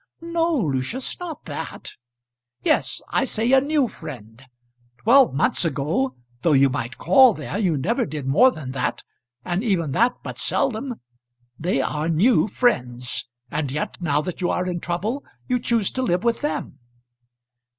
"No, Lucius; not that." "Yes. I say a new friend. Twelve months ago, though you might call there, you never did more than that and even that but seldom. They are new friends; and yet, now that you are in trouble, you choose to live with them."